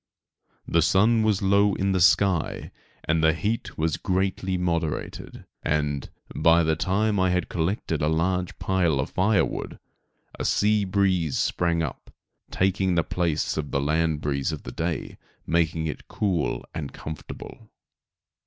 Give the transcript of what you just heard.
The sun was low in the sky, and the heat was greatly moderated, and, by the time I had collected a large pile of fire wood, a sea breeze sprang up, taking the place of the land breeze of the day, making it cool and comfortable.